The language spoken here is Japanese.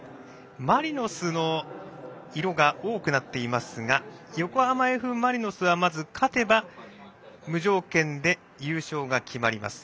マリノスの色が多くなっていますが横浜Ｆ・マリノスはまず勝てば無条件で優勝が決まります。